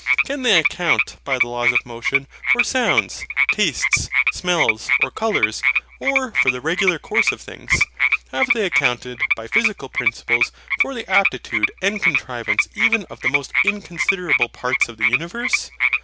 Can they account, by the laws of motion, for sounds, tastes, smells, or colours; or for the regular course of things? Have they accounted, by physical principles, for the aptitude and contrivance even of the most inconsiderable parts of the universe?